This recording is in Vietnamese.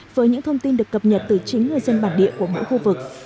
với những thông tin được cập nhật từ chính người dân bản địa của mỗi khu vực